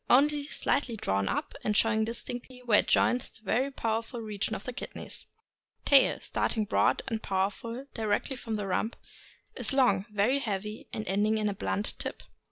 — Only slightly drawn up, and showing distinctly where it joins the very powerful region of the kidneys. Tail. — Starting broad and powerful directly from the rump, is long, very heavy, ending in a blunt tip.